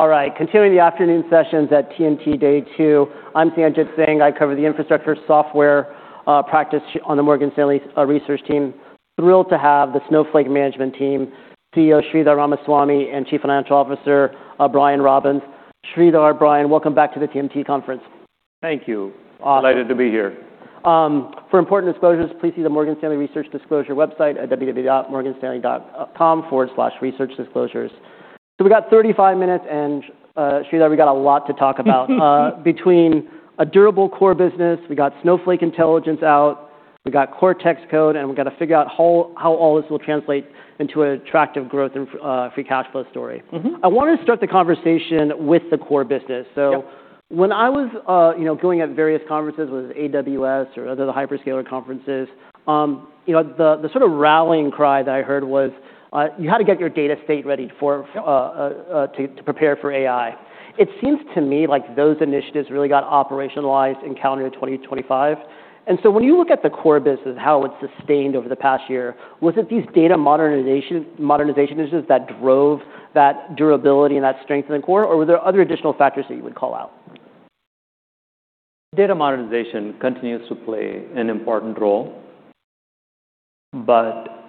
All right, continuing the afternoon sessions at TMT day two. I'm Sanjit Singh. I cover the infrastructure software, practice on the Morgan Stanley research team. Thrilled to have the Snowflake management team, CEO Sridhar Ramaswamy, and Chief Financial Officer, Brian Robins. Sridhar, Brian, welcome back to the TMT conference. Thank you. Awesome. Delighted to be here. For important disclosures, please see the Morgan Stanley research disclosure website at www.morganstanley.com/researchdisclosures. We got 35 minutes, and Sridhar, we got a lot to talk about. Between a durable core business. We got Snowflake Intelligence out. We got Cortex Code, and we gotta figure out how all this will translate into attractive growth and free cash flow story. Mm-hmm. I wanna start the conversation with the core business. Yep. When I was, you know, going at various conferences, whether it's AWS or other hyperscaler conferences, you know, the sort of rallying cry that I heard was, you had to get your data state ready to prepare for AI. It seems to me like those initiatives really got operationalized in calendar 2025. When you look at the core business, how it's sustained over the past year, was it these data modernization initiatives that drove that durability and that strength in the core, or were there other additional factors that you would call out? Data modernization continues to play an important role, but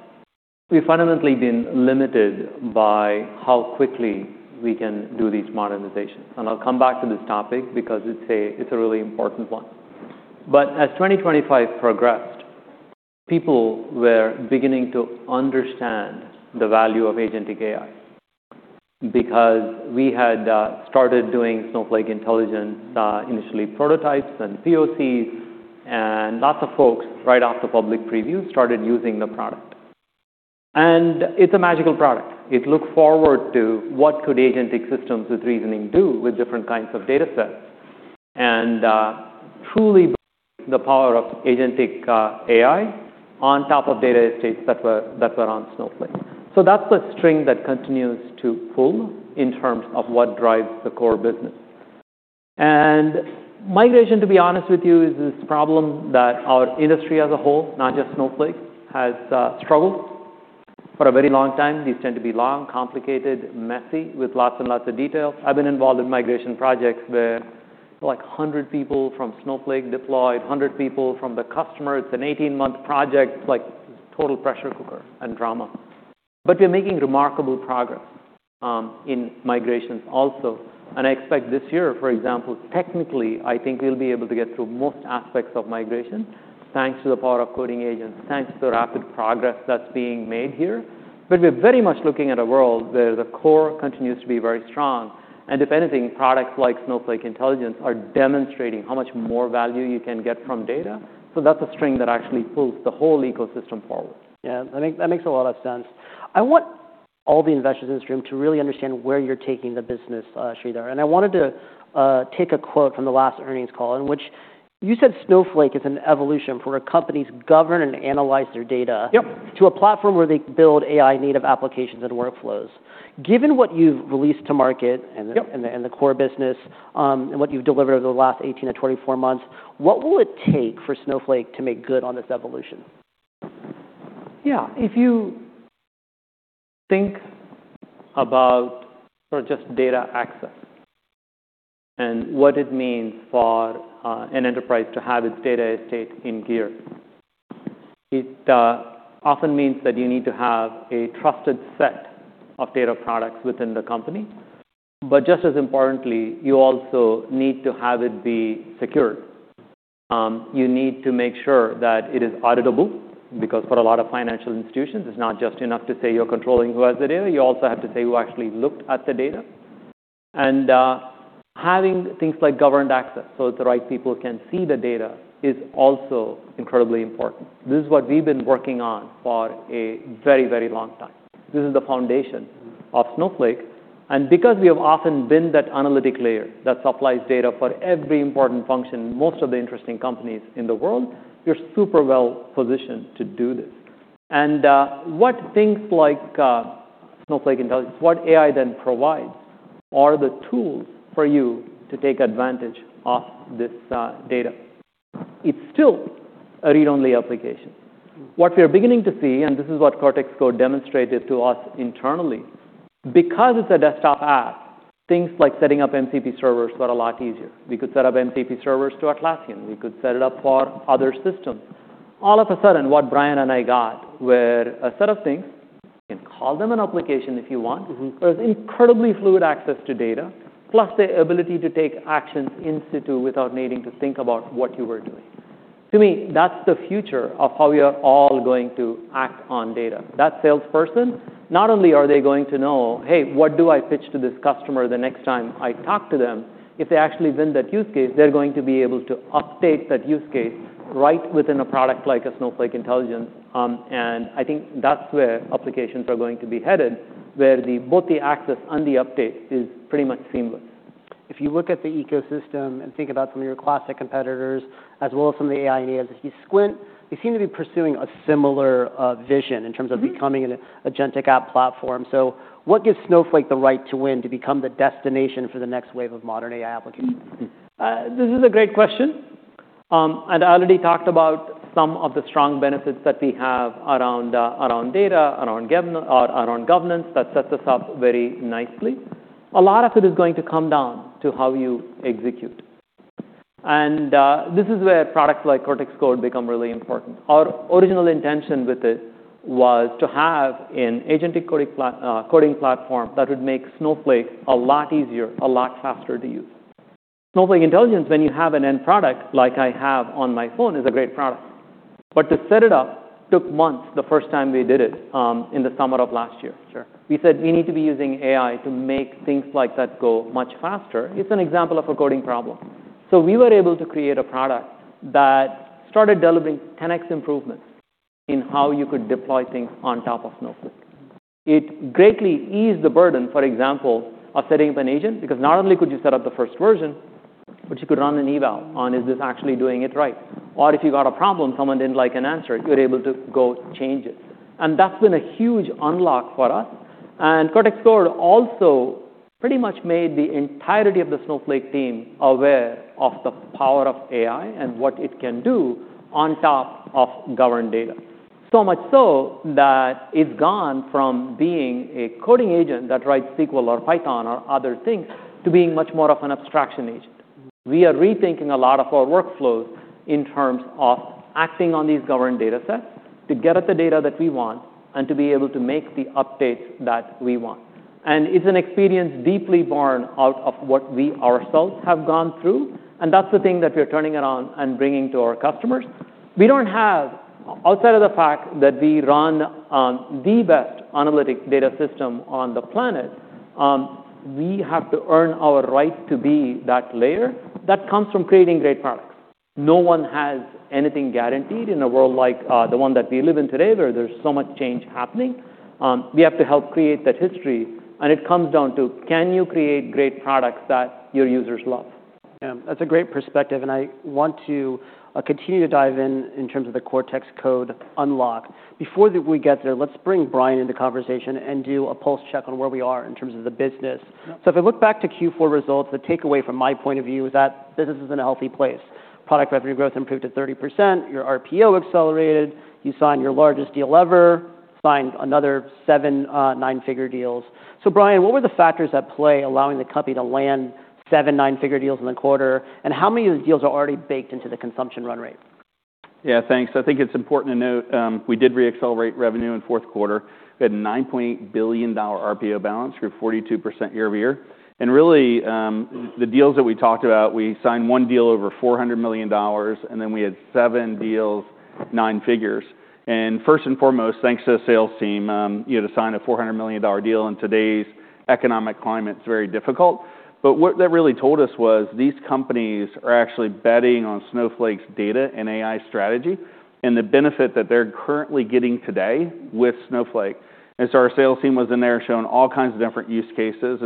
we've fundamentally been limited by how quickly we can do these modernizations. I'll come back to this topic because it's a really important one. As 2025 progressed, people were beginning to understand the value of agentic AI because we had started doing Snowflake Intelligence initially prototypes and POC, and lots of folks right off the public preview started using the product. It's a magical product. It looked forward to what could agentic systems with reasoning do with different kinds of datasets, and truly the power of agentic AI on top of data estates that were on Snowflake. That's the string that continues to pull in terms of what drives the core business. Migration, to be honest with you, is this problem that our industry as a whole, not just Snowflake, has struggled for a very long time. These tend to be long, complicated, messy, with lots and lots of details. I've been involved in migration projects where like 100 people from Snowflake deployed, 100 people from the customer. It's an 18-month project. It's like total pressure cooker and drama. We're making remarkable progress in migrations also. I expect this year, for example, technically, I think we'll be able to get through most aspects of migration thanks to the power of coding agents, thanks to the rapid progress that's being made here. We're very much looking at a world where the core continues to be very strong. If anything, products like Snowflake Intelligence are demonstrating how much more value you can get from data. That's a string that actually pulls the whole ecosystem forward. Yeah. That makes a lot of sense. I want all the investors in this room to really understand where you're taking the business, Sridhar. I wanted to take a quote from the last earnings call in which you said Snowflake is an evolution for a company to govern and analyze their data- Yep... to a platform where they build AI-native applications and workflows. Given what you've released to market. Yep... and the core business, and what you've delivered over the last 18 to 24 months, what will it take for Snowflake to make good on this evolution? Yeah. If you think about sort of just data access and what it means for an enterprise to have its data estate in gear, it often means that you need to have a trusted set of data products within the company. Just as importantly, you also need to have it be secured. You need to make sure that it is auditable, because for a lot of financial institutions, it's not just enough to say you're controlling who has the data. You also have to say who actually looked at the data. Having things like governed access, so the right people can see the data, is also incredibly important. This is what we've been working on for a very, very long time. This is the foundation of Snowflake. Because we have often been that analytic layer that supplies data for every important function, most of the interesting companies in the world, we're super well-positioned to do this. What things like Snowflake Intelligence, what AI then provides are the tools for you to take advantage of this data. It's still a read-only application. What we are beginning to see, and this is what Cortex Code demonstrated to us internally, because it's a desktop app, things like setting up MCP servers got a lot easier. We could set up MCP servers to Atlassian. We could set it up for other systems. All of a sudden, what Brian and I got were a set of things, you can call them an application if you want... Mm-hmm... but it's incredibly fluid access to data, plus the ability to take actions in situ without needing to think about what you were doing. To me, that's the future of how we are all going to act on data. That salesperson, not only are they going to know, "Hey, what do I pitch to this customer the next time I talk to them?" If they actually win that use case, they're going to be able to update that use case right within a product like a Snowflake Intelligence. I think that's where applications are going to be headed, where both the access and the update is pretty much seamless. If you look at the ecosystem and think about some of your classic competitors as well as some of the AI enablers, if you squint, they seem to be pursuing a similar vision in terms of... Mm-hmm... becoming an agentic app platform. What gives Snowflake the right to win, to become the destination for the next wave of modern AI applications? This is a great question. I already talked about some of the strong benefits that we have around data, around governance that sets us up very nicely. A lot of it is going to come down to how you execute. This is where products like Cortex Code become really important. Our original intention with it was to have an agentic coding platform that would make Snowflake a lot easier, a lot faster to use. Snowflake Intelligence, when you have an end product like I have on my phone, is a great product. To set it up took months the first time we did it, in the summer of last year. Sure. We said we need to be using AI to make things like that go much faster. It's an example of a coding problem. We were able to create a product that started delivering 10x improvements in how you could deploy things on top of Snowflake. It greatly eased the burden, for example, of setting up an agent, because not only could you set up the first version, but you could run an eval on is this actually doing it right? If you got a problem, someone didn't like an answer, you're able to go change it. That's been a huge unlock for us. Cortex Code also pretty much made the entirety of the Snowflake team aware of the power of AI and what it can do on top of governed data. So much so that it's gone from being a coding agent that writes SQL or Python or other things to being much more of an abstraction agent. We are rethinking a lot of our workflows in terms of acting on these governed datasets to get at the data that we want and to be able to make the updates that we want. It's an experience deeply born out of what we ourselves have gone through, and that's the thing that we're turning around and bringing to our customers. We don't have. Outside of the fact that we run, the best analytic data system on the planet, we have to earn our right to be that layer. That comes from creating great products. No one has anything guaranteed in a world like the one that we live in today, where there's so much change happening. We have to help create that history, and it comes down to can you create great products that your users love? Yeah. That's a great perspective. I want to continue to dive in in terms of the Cortex Code unlock. Before we get there, let's bring Brian into conversation and do a pulse check on where we are in terms of the business. Yeah. If I look back to Q4 results, the takeaway from my point of view is that business is in a healthy place. Product revenue growth improved to 30%. Your RPO accelerated. You signed your largest deal ever. Signed another seven nine-figure deals. Brian, what were the factors at play allowing the company to land seven nine-figure deals in the quarter, and how many of the deals are already baked into the consumption run rate? Yeah, thanks. I think it's important to note, we did re-accelerate revenue in Q4. We had a $9 billion RPO balance, grew 42% year-over-year. Really, the deals that we talked about, we signed one deal over $400 million, and then we had seven deals, nine figures. First and foremost, thanks to the sales team, you know, to sign a $400 million deal in today's economic climate, it's very difficult. What that really told us was these companies are actually betting on Snowflake's data and AI strategy and the benefit that they're currently getting today with Snowflake. Our sales team was in there showing all kinds of different use cases.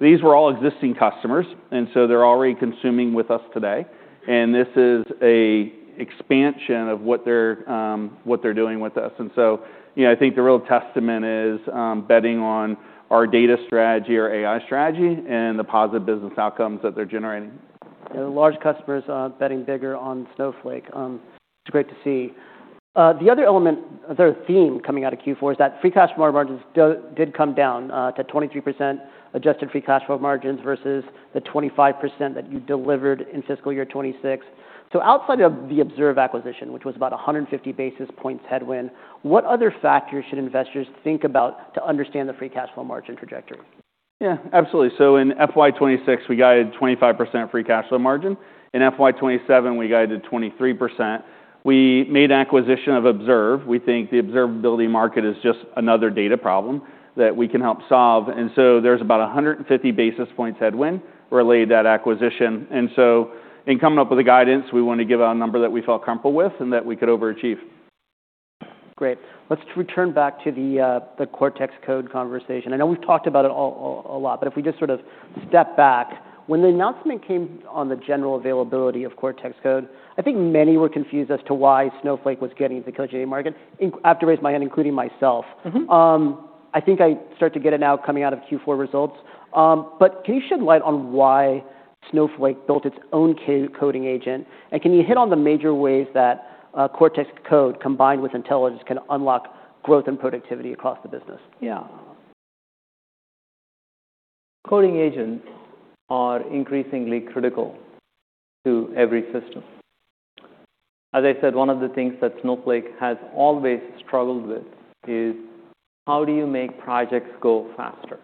These were all existing customers, and so they're already consuming with us today. This is a expansion of what they're, what they're doing with us. You know, I think the real testament is, betting on our data strategy, our AI strategy, and the positive business outcomes that they're generating. Large customers, betting bigger on Snowflake. It's great to see. The other element, the theme coming out of Q4 is that free cash flow margins did come down to 23% adjusted free cash flow margins versus the 25% that you delivered in fiscal year 2026. Outside of the Observe acquisition, which was about 150 basis points headwind, what other factors should investors think about to understand the free cash flow margin trajectory? Yeah, absolutely. In FY26, we guided 25% free cash flow margin. In FY27, we guided 23%. We made acquisition of Observe. We think the observability market is just another data problem that we can help solve. There's about 150 basis points headwind related to that acquisition. In coming up with the guidance, we want to give out a number that we felt comfortable with and that we could overachieve. Great. Let's return back to the Cortex Code conversation. I know we've talked about it a lot, but if we just sort of step back. When the announcement came on the general availability of Cortex Code, I think many were confused as to why Snowflake was getting into the coding agent market. I have to raise my hand, including myself. Mm-hmm. I think I start to get it now coming out of Q4 results. Can you shed light on why Snowflake built its own cocoding agent? Can you hit on the major ways that Cortex Code combined with Intelligence can unlock growth and productivity across the business? Coding agents are increasingly critical to every system. As I said, one of the things that Snowflake has always struggled with is how do you make projects go faster?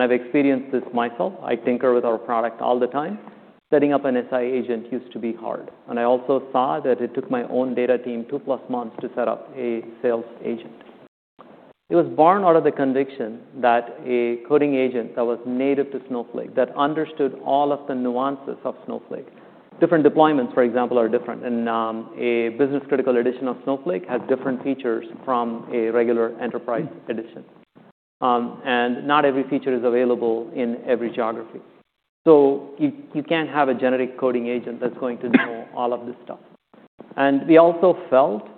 Mm-hmm. I've experienced this myself. I tinker with our product all the time. Setting up an SI agent used to be hard. I also saw that it took my own data team two plus months to set up a sales agent. It was born out of the conviction that a coding agent that was native to Snowflake, that understood all of the nuances of Snowflake. Different deployments, for example, are different. A business-critical edition of Snowflake has different features from a regular enterprise edition. Not every feature is available in every geography. You can't have a generic coding agent that's going to know all of this stuff. We also felt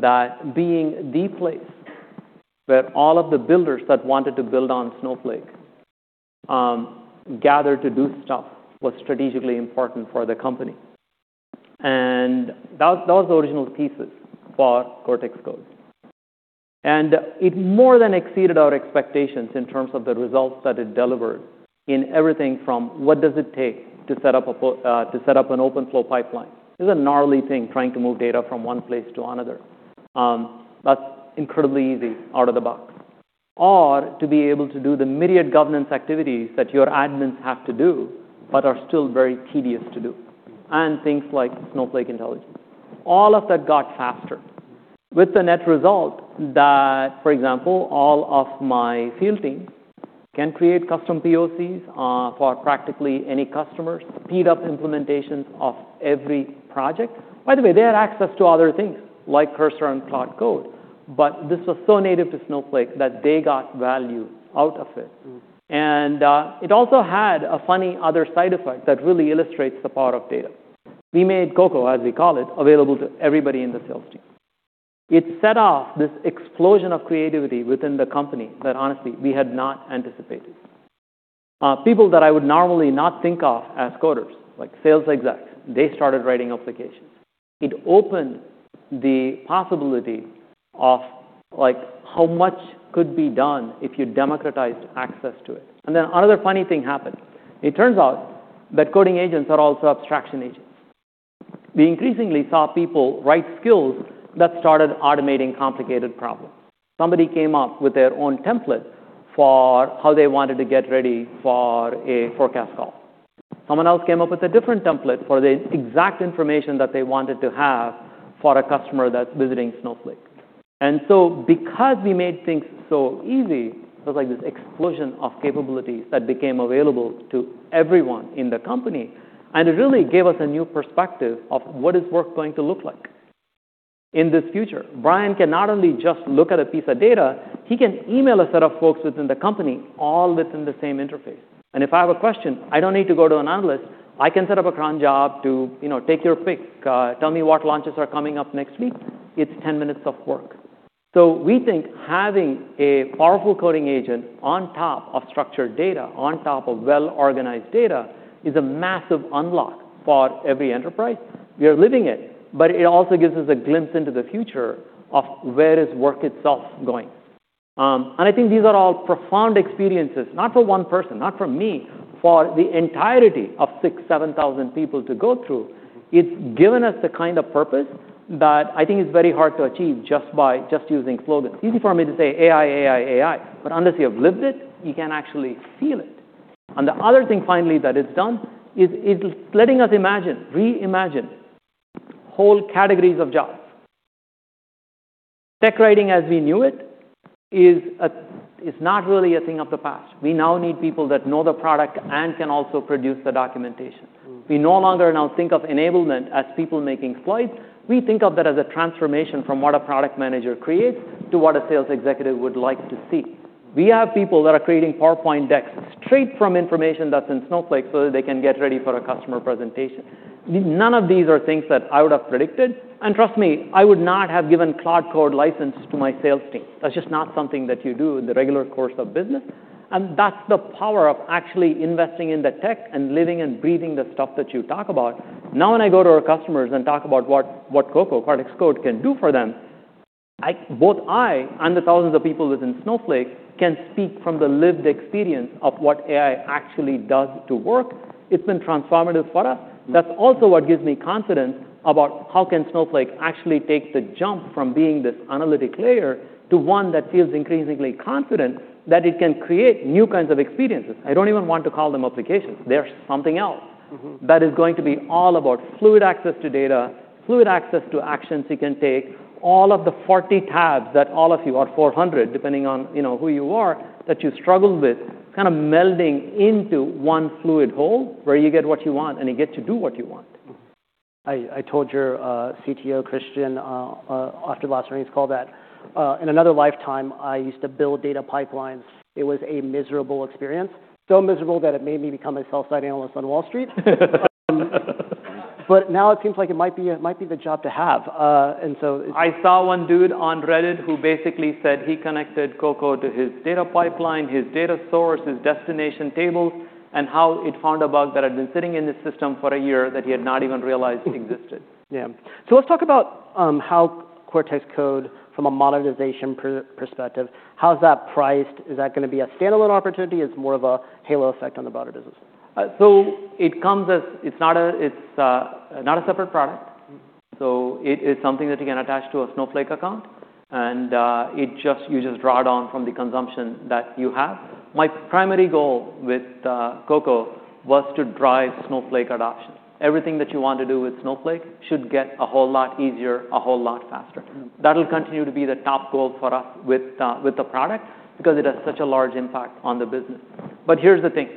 that being the place where all of the builders that wanted to build on Snowflake gathered to do stuff was strategically important for the company. That was the original thesis for Cortex Code. It more than exceeded our expectations in terms of the results that it delivered in everything from what does it take to set up an OpenFlow pipeline. This is a gnarly thing, trying to move data from one place to another. That's incredibly easy out of the box. To be able to do the myriad governance activities that your admins have to do but are still very tedious to do, and things like Snowflake Intelligence. All of that got faster with the net result that, for example, all of my field team can create custom POCs for practically any customer, speed up implementations of every project. They had access to other things like Cursor and Cloud Code, but this was so native to Snowflake that they got value out of it. Mm. It also had a funny other side effect that really illustrates the power of data. We made Coco, as we call it, available to everybody in the sales team. It set off this explosion of creativity within the company that honestly we had not anticipated. People that I would normally not think of as coders, like sales execs, they started writing applications. It opened the possibility of, like, how much could be done if you democratized access to it. Another funny thing happened. It turns out that coding agents are also abstraction agents. We increasingly saw people write skills that started automating complicated problems. Somebody came up with their own template for how they wanted to get ready for a forecast call. Someone else came up with a different template for the exact information that they wanted to have for a customer that's visiting Snowflake. Because we made things so easy, it was like this explosion of capabilities that became available to everyone in the company, and it really gave us a new perspective of what is work going to look like in this future. Brian can not only just look at a piece of data, he can email a set of folks within the company all within the same interface. If I have a question, I don't need to go to an analyst. I can set up a cron job to, you know, take your pick. Tell me what launches are coming up next week. It's 10 minutes of work. We think having a powerful coding agent on top of structured data, on top of well-organized data, is a massive unlock for every enterprise. We are living it also gives us a glimpse into the future of where is work itself going. I think these are all profound experiences, not for one person, not for me, for the entirety of 6,000-7,000 people to go through. It's given us the kind of purpose that I think is very hard to achieve just by just using flow charts. Easy for me to say AI, AI, unless you have lived it, you can't actually feel it. The other thing finally that it's done is it's letting us imagine, reimagine whole categories of jobs. Tech writing as we knew it is a, is not really a thing of the past. We now need people that know the product and can also produce the documentation. Mm. We no longer now think of enablement as people making slides. We think of that as a transformation from what a product manager creates to what a sales executive would like to see. We have people that are creating PowerPoint decks straight from information that's in Snowflake so that they can get ready for a customer presentation. None of these are things that I would have predicted. Trust me, I would not have given Cloud Code license to my sales team. That's just not something that you do in the regular course of business, and that's the power of actually investing in the tech and living and breathing the stuff that you talk about. When I go to our customers and talk about what Coco, Cortex Code can do for them, both I and the thousands of people within Snowflake can speak from the lived experience of what AI actually does to work. It's been transformative for us. Mm. That's also what gives me confidence about how can Snowflake actually take the jump from being this analytic layer to one that feels increasingly confident that it can create new kinds of experiences. I don't even want to call them applications. They're something else. Mm-hmm. that is going to be all about fluid access to data, fluid access to actions you can take, all of the 40 tabs that all of you, or 400, depending on, you know, who you are, that you struggle with kind of melding into one fluid whole where you get what you want, and you get to do what you want. I told your CTO, Christian, after last earnings call that in another lifetime, I used to build data pipelines. It was a miserable experience. So miserable that it made me become a sell-side analyst on Wall Street. Now it seems like it might be the job to have. It's... I saw one dude on Reddit who basically said he connected Coco to his data pipeline, his data source, his destination table, and how it found a bug that had been sitting in the system for a year that he had not even realized existed. Yeah. Let's talk about how Cortex Code from a monetization perspective, how's that priced? Is that gonna be a standalone opportunity? Is it more of a halo effect on the broader business? It comes as It's not a separate product. Mm-hmm. It is something that you can attach to a Snowflake account, and you just draw it on from the consumption that you have. My primary goal with Coco was to drive Snowflake adoption. Everything that you want to do with Snowflake should get a whole lot easier, a whole lot faster. Mm. That'll continue to be the top goal for us with the product because it has such a large impact on the business. Here's the thing.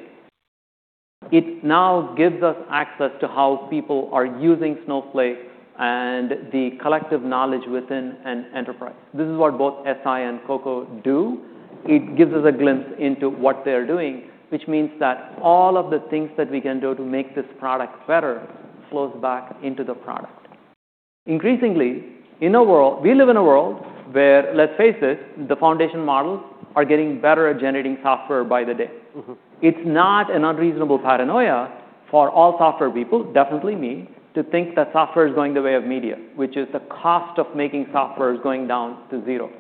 It now gives us access to how people are using Snowflake and the collective knowledge within an enterprise. This is what both SI and Coco do. It gives us a glimpse into what they're doing, which means that all of the things that we can do to make this product better flows back into the product. Increasingly, in a world... We live in a world where, let's face it, the foundation models are getting better at generating software by the day. Mm-hmm. It's not an unreasonable paranoia for all software people, definitely me, to think that software is going the way of media, which is the cost of making software is going down to zero.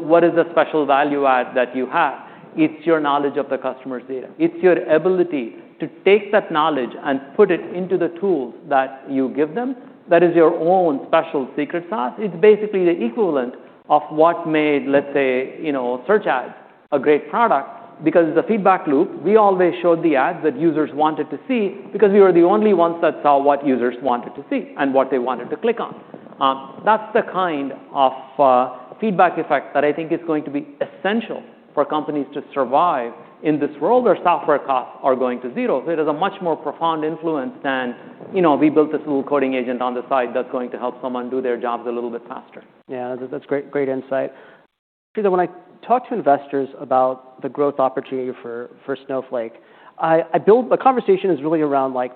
What does the special value add that you have? It's your knowledge of the customer's data. It's your ability to take that knowledge and put it into the tools that you give them. That is your own special secret sauce. It's basically the equivalent of what made, let's say, you know, search ads a great product because the feedback loop, we always showed the ads that users wanted to see because we were the only ones that saw what users wanted to see and what they wanted to click on. That's the kind of feedback effect that I think is going to be essential for companies to survive in this world where software costs are going to zero. It is a much more profound influence than, you know, we built this little coding agent on the side that's going to help someone do their jobs a little bit faster. Yeah. That's great insight. When I talk to investors about the growth opportunity for Snowflake, the conversation is really around like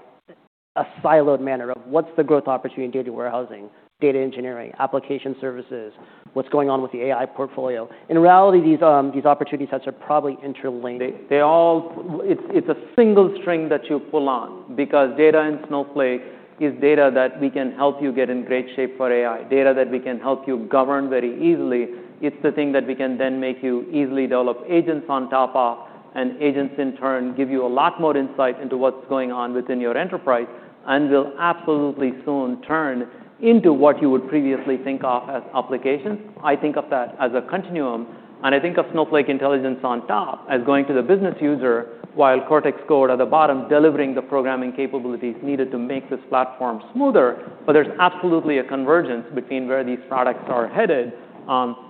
a siloed manner of what's the growth opportunity in data warehousing, data engineering, application services, what's going on with the AI portfolio. In reality, these opportunities are probably interlinked. They all. It's a single string that you pull on because data in Snowflake is data that we can help you get in great shape for AI, data that we can help you govern very easily. It's the thing that we can then make you easily develop agents on top of, and agents in turn give you a lot more insight into what's going on within your enterprise, and will absolutely soon turn into what you would previously think of as applications. I think of that as a continuum, and I think of Snowflake Intelligence on top as going to the business user, while Cortex Code at the bottom delivering the programming capabilities needed to make this platform smoother. There's absolutely a convergence between where these products are headed.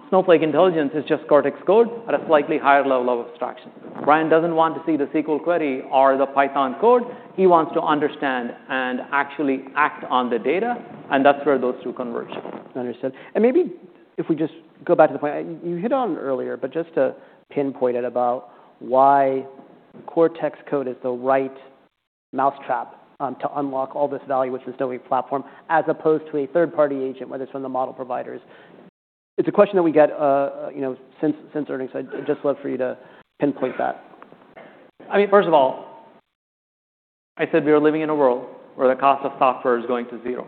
Snowflake Intelligence is just Cortex Code at a slightly higher level of abstraction. Brian doesn't want to see the SQL query or the Python code. He wants to understand and actually act on the data. That's where those two converge. Understood. Maybe if we just go back to the point you hit on earlier, but just to pinpoint it about why Cortex Code is the right mousetrap, to unlock all this value within Snowflake platform as opposed to a third-party agent, whether it's from the model providers. It's a question that we get, you know, since earnings. I'd just love for you to pinpoint that. I mean, first of all, I said we are living in a world where the cost of software is going to zero.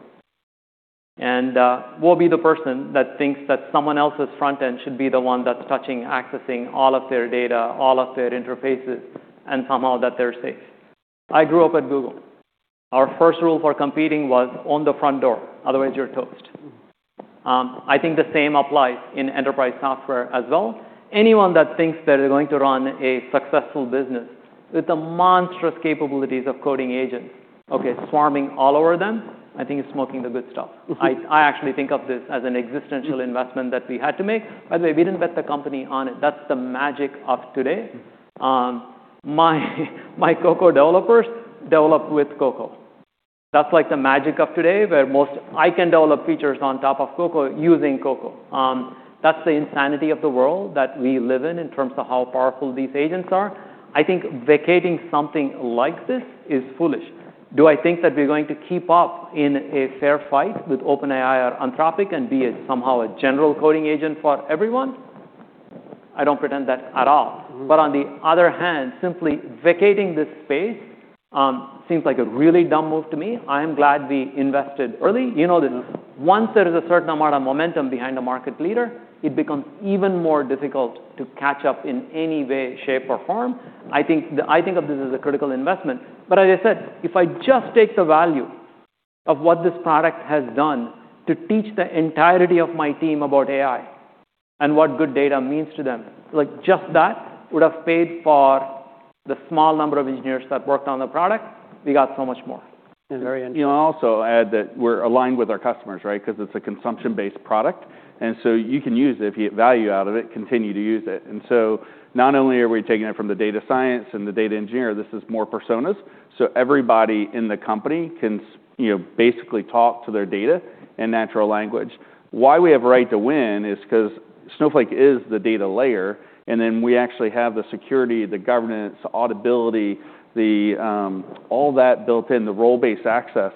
We'll be the person that thinks that someone else's front end should be the one that's touching, accessing all of their data, all of their interfaces, and somehow that they're safe. I grew up at Google. Our first rule for competing was own the front door, otherwise you're toast. I think the same applies in enterprise software as well. Anyone that thinks that they're going to run a successful business with the monstrous capabilities of coding agents, okay, swarming all over them, I think is smoking the good stuff. I actually think of this as an existential investment that we had to make. By the way, we didn't bet the company on it. That's the magic of today. My Cocoa developers develop with Cocoa. That's like the magic of today. I can develop features on top of Cocoa using Cocoa. That's the insanity of the world that we live in terms of how powerful these agents are. I think vacating something like this is foolish. Do I think that we're going to keep up in a fair fight with OpenAI or Anthropic and be somehow a general coding agent for everyone? I don't pretend that at all. Mm-hmm. On the other hand, simply vacating this space, seems like a really dumb move to me. I am glad we invested early. You know this. Once there is a certain amount of momentum behind a market leader, it becomes even more difficult to catch up in any way, shape, or form. I think of this as a critical investment. As I said, if I just take the value of what this product has done to teach the entirety of my team about AI and what good data means to them, like just that would have paid for the small number of engineers that worked on the product. We got so much more. Very interesting. You know, I'll also add that we're aligned with our customers, right? Because it's a consumption-based product, and so you can use it. If you get value out of it, continue to use it. Not only are we taking it from the data science and the data engineer, this is more personas. Everybody in the company can you know, basically talk to their data in natural language. Why we have a right to win is 'cause Snowflake is the data layer, and then we actually have the security, the governance, the auditability, the all that built in, the role-based access.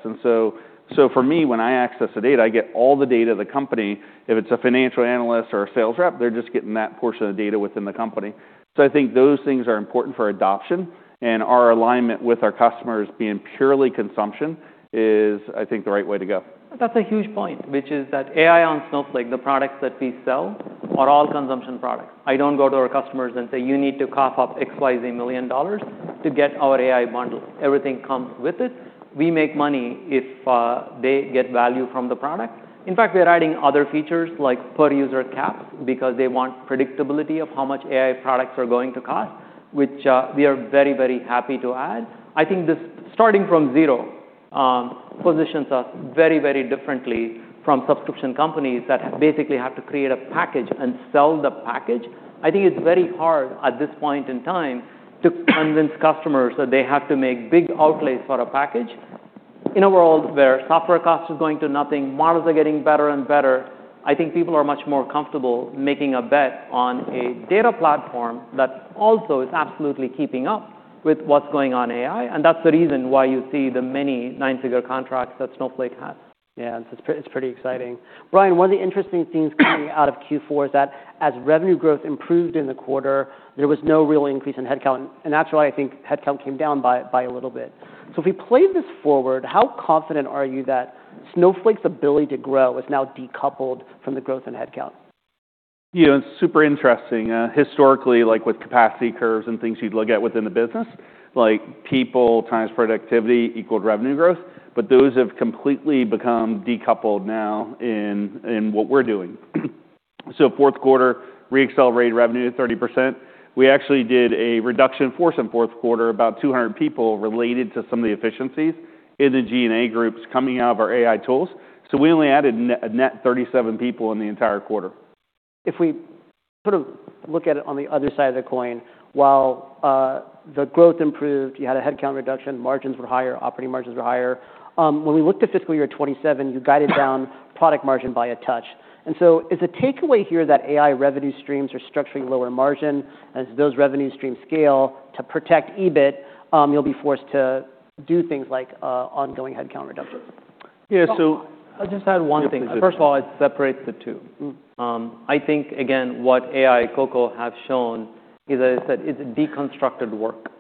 So for me, when I access the data, I get all the data of the company. If it's a financial analyst or a sales rep, they're just getting that portion of data within the company. I think those things are important for adoption, and our alignment with our customers being purely consumption is, I think, the right way to go. That's a huge point, which is that AI on Snowflake, the products that we sell are all consumption products. I don't go to our customers and say, "You need to cough up XYZ million dollars to get our AI bundle." Everything comes with it. We make money if they get value from the product. In fact, we're adding other features like per user cap because they want predictability of how much AI products are going to cost, which we are very, very happy to add. I think this starting from zero, positions us very, very differently from subscription companies that basically have to create a package and sell the package. I think it's very hard at this point in time to convince customers that they have to make big outlays for a package. In a world where software cost is going to nothing, models are getting better and better. I think people are much more comfortable making a bet on a data platform that also is absolutely keeping up with what's going on AI. That's the reason why you see the many nine-figure contracts that Snowflake has. Yeah. It's pretty exciting. Brian, one of the interesting themes coming out of Q4 is that as revenue growth improved in the quarter, there was no real increase in headcount, and that's why I think headcount came down by a little bit. If we play this forward, how confident are you that Snowflake's ability to grow is now decoupled from the growth in headcount? It's super interesting. Historically, like with capacity curves and things you'd look at within the business, like people times productivity equaled revenue growth, those have completely become decoupled now in what we're doing. Q4, re-accelerated revenue 30%. We actually did a reduction force in Q4, about 200 people, related to some of the efficiencies in the G&A groups coming out of our AI tools. We only added net 37 people in the entire quarter. If we sort of look at it on the other side of the coin, while, the growth improved, you had a headcount reduction, margins were higher, operating margins were higher. When we looked at FY27, you guided down product margin by a touch. Is the takeaway here that AI revenue streams are structuring lower margin, as those revenue streams scale to protect EBIT, you'll be forced to do things like, ongoing headcount reductions? I'll just add one thing. First of all, it separates the two. I think, again, what AI Coco have shown is that it's deconstructed work.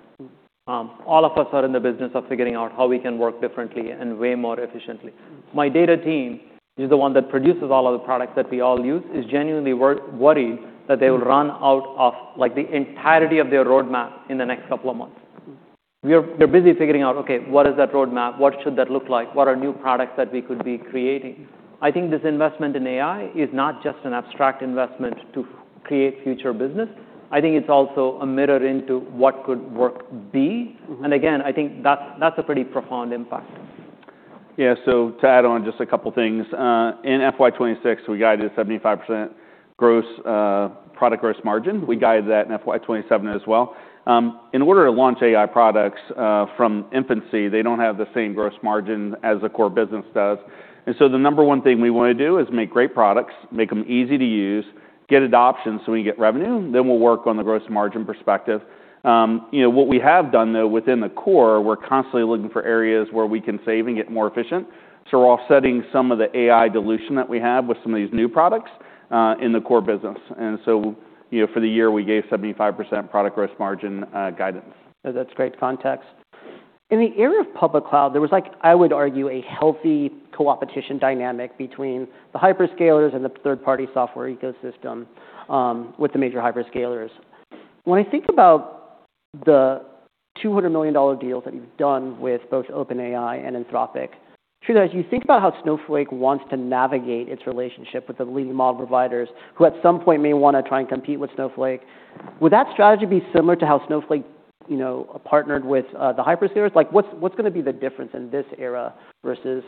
All of us are in the business of figuring out how we can work differently and way more efficiently. My data team is the one that produces all of the products that we all use, is genuinely worried that they will run out of, like, the entirety of their roadmap in the next couple of months. We're busy figuring out, okay, what is that roadmap? What should that look like? What are new products that we could be creating? I think this investment in AI is not just an abstract investment to create future business. I think it's also a mirror into what could work be. Again, I think that's a pretty profound impact. Yeah. To add on just a couple things. In FY26, we guided 75% gross product gross margin. We guided that in FY27 as well. In order to launch AI products from infancy, they don't have the same gross margin as the core business does. The number 1 thing we wanna do is make great products, make them easy to use, get adoption so we can get revenue, then we'll work on the gross margin perspective. You know, what we have done, though, within the core, we're constantly looking for areas where we can save and get more efficient. We're offsetting some of the AI dilution that we have with some of these new products in the core business. You know, for the year, we gave 75% product gross margin guidance. That's great context. In the area of public cloud, there was like, I would argue, a healthy coopetition dynamic between the hyperscalers and the third-party software ecosystem, with the major hyperscalers. When I think about the $200 million deals that you've done with both OpenAI and Anthropic, Sridhar, as you think about how Snowflake wants to navigate its relationship with the leading model providers, who at some point may wanna try and compete with Snowflake, would that strategy be similar to how Snowflake, you know, partnered with the hyperscalers? Like, what's gonna be the difference in this era versus,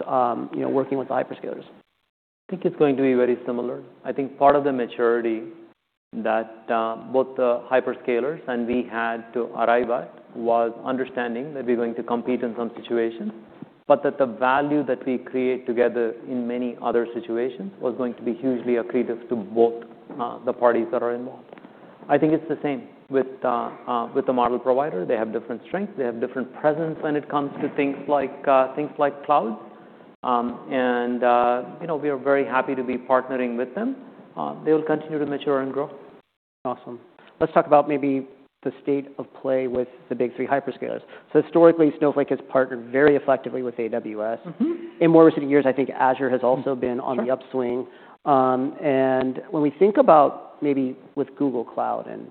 you know, working with the hyperscalers? I think it's going to be very similar. I think part of the maturity that, both the hyperscalers and we had to arrive at was understanding that we're going to compete in some situations, but that the value that we create together in many other situations was going to be hugely accretive to both, the parties that are involved. I think it's the same with the model provider. They have different strengths, they have different presence when it comes to things like, things like cloud. You know, we are very happy to be partnering with them. They will continue to mature and grow. Awesome. Let's talk about maybe the state of play with the big three hyperscalers. Historically, Snowflake has partnered very effectively with AWS. Mm-hmm. In more recent years, I think Azure has also been on the upswing. When we think about maybe with Google Cloud and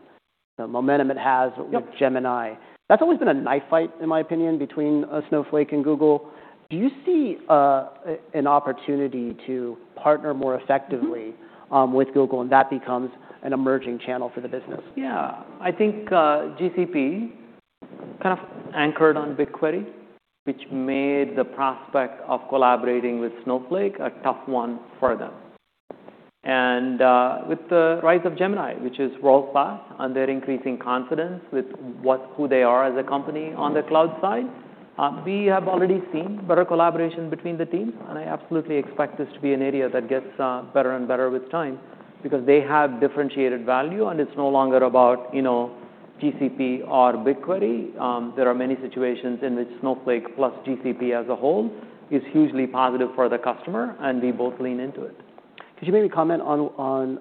the momentum it has... Yep... with Gemini, that's always been a knife fight, in my opinion, between Snowflake and Google. Do you see an opportunity to partner more effectively with Google, and that becomes an emerging channel for the business? Yeah. I think, GCP kind of anchored on BigQuery, which made the prospect of collaborating with Snowflake a tough one for them. With the rise of Gemini, which is world-class, their increasing confidence with who they are as a company on the cloud side, we have already seen better collaboration between the teams. I absolutely expect this to be an area that gets better and better with time because they have differentiated value. It's no longer about, you know, GCP or BigQuery. There are many situations in which Snowflake plus GCP as a whole is hugely positive for the customer. We both lean into it. Could you maybe comment on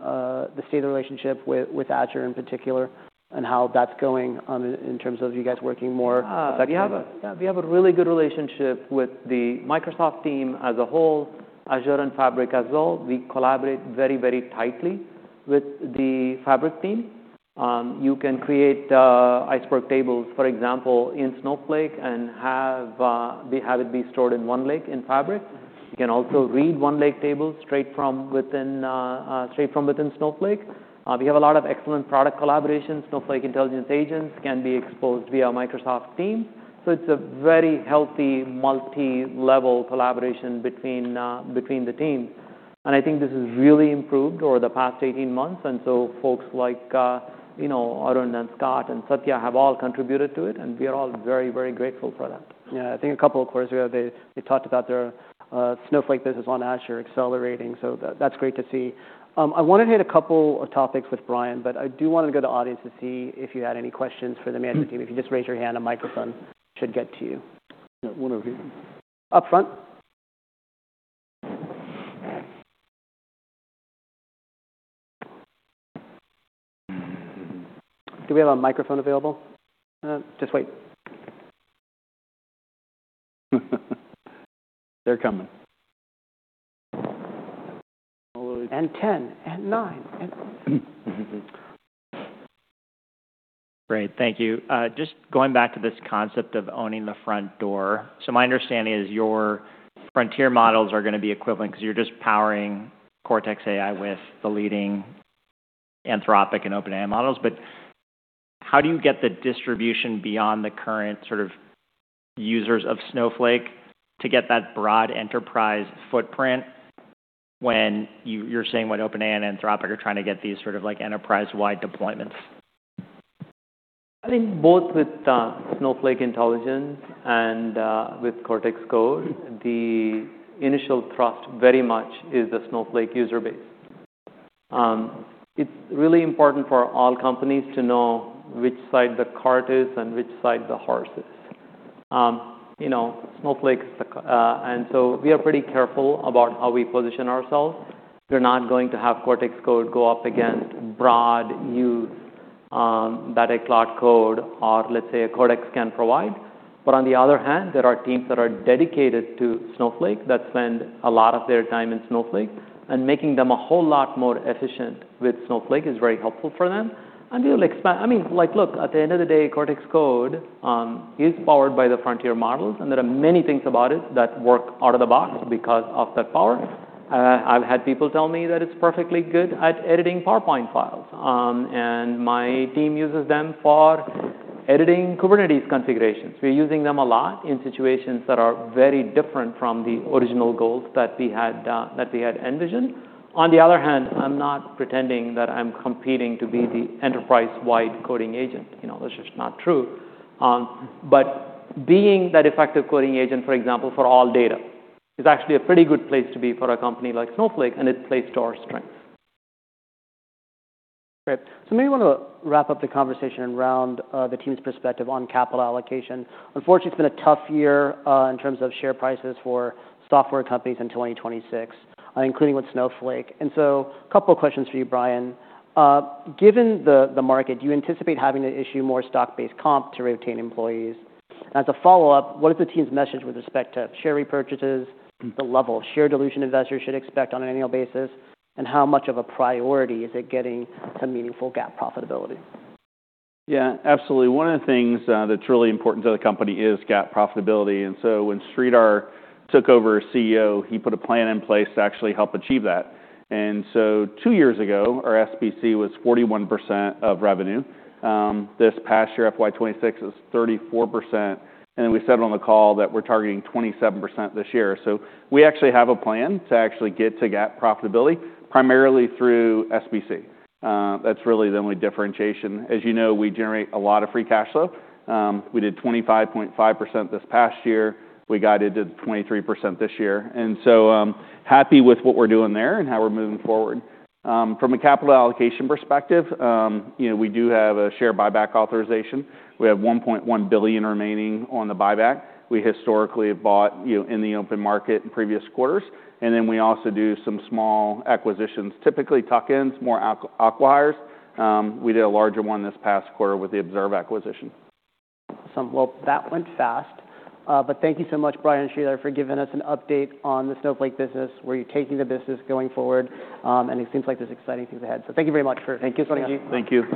the state of the relationship with Azure in particular, and how that's going in terms of you guys working more effectively? Yeah. We have a really good relationship with the Microsoft team as a whole, Azure and Fabric as well. We collaborate very, very tightly with the Fabric team. You can create Iceberg tables, for example, in Snowflake and have it be stored in OneLake in Fabric. You can also read OneLake tables straight from within Snowflake. We have a lot of excellent product collaborations. Snowflake Intelligence agents can be exposed via Microsoft Teams. It's a very healthy multi-level collaboration between the teams. I think this has really improved over the past 18 months, and so folks like, you know, Arun and Scott and Satya have all contributed to it, and we are all very, very grateful for that. Yeah. I think a couple of quarters ago, they talked about their Snowflake business on Azure accelerating, that's great to see. I wanna hit a couple of topics with Brian, I do wanna go to audience to see if you had any questions for the management team. If you could just raise your hand, a microphone should get to you. Yeah. One over here. Up front. Do we have a microphone available? Just wait. They're coming. And 10, and nine, and... Great. Thank you. Just going back to this concept of owning the front door. My understanding is your frontier models are gonna be equivalent 'cause you're just powering Snowflake Cortex with the leading Anthropic and OpenAI models. How do you get the distribution beyond the current sort of users of Snowflake to get that broad enterprise-wide footprint when you're saying what OpenAI and Anthropic are trying to get these sort of like enterprise-wide deployments? I think both with Snowflake Intelligence and with Cortex Code, the initial trust very much is the Snowflake user base. It's really important for all companies to know which side the cart is and which side the horse is. You know, we are pretty careful about how we position ourselves. We're not going to have Cortex Code go up against broad use that a Cloud Code or, let's say, a Codex can provide. On the other hand, there are teams that are dedicated to Snowflake that spend a lot of their time in Snowflake, and making them a whole lot more efficient with Snowflake is very helpful for them. We'll expand... I mean, like, look, at the end of the day, Cortex Code is powered by the frontier models, and there are many things about it that work out of the box because of that power. I've had people tell me that it's perfectly good at editing PowerPoint files. My team uses them for editing Kubernetes configurations. We're using them a lot in situations that are very different from the original goals that we had that we had envisioned. On the other hand, I'm not pretending that I'm competing to be the enterprise-wide coding agent. You know, that's just not true. Being that effective coding agent, for example, for all data is actually a pretty good place to be for a company like Snowflake, and it plays to our strength. Great. So maybe wanna wrap up the conversation around the team's perspective on capital allocation. Unfortunately, it's been a tough year in terms of share prices for software companies in 2026, including with Snowflake. Couple of questions for you, Brian. Given the market, do you anticipate having to issue more stock-based comp to retain employees? As a follow-up, what is the team's message with respect to share repurchases, the level of share dilution investors should expect on an annual basis, and how much of a priority is it getting to meaningful GAAP profitability? Yeah. Absolutely. One of the things that's really important to the company is GAAP profitability. When Sridhar took over as CEO, he put a plan in place to actually help achieve that. Two years ago, our SBC was 41% of revenue. This past year, FY26, it was 34%. We said on the call that we're targeting 27% this year. We actually have a plan to actually get to GAAP profitability, primarily through SBC. That's really the only differentiation. As you know, we generate a lot of free cash flow. We did 25.5% this past year. We guided to 23% this year. Happy with what we're doing there and how we're moving forward. From a capital allocation perspective, you know, we do have a share buyback authorization. We have $1.1 billion remaining on the buyback. We historically have bought, you know, in the open market in previous quarters. Then we also do some small acquisitions, typically tuck-ins, more acqui-hires. We did a larger one this past quarter with the Observe acquisition. Well, that went fast. Thank you so much, Brian and Sridhar, for giving us an update on the Snowflake business, where you're taking the business going forward. It seems like there's exciting things ahead. Thank you very much for joining us. Thank you. Thank you.